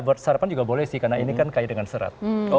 buat sarapan juga boleh sih karena ini kan kaya dengan serat